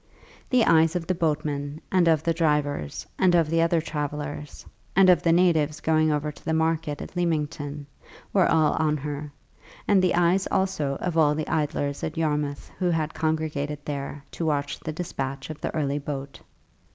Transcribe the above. The eyes of the boatmen, and of the drivers, and of the other travellers, and of the natives going over to the market at Lymington, were all on her, and the eyes also of all the idlers of Yarmouth who had congregated there to watch the despatch of the early boat.